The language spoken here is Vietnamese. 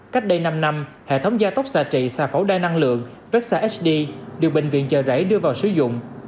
cách đây năm năm hệ thống gia tốc xạ trị xạ phẫu đai năng lượng vexa hd được bệnh viện chợ rẫy đưa vào sử dụng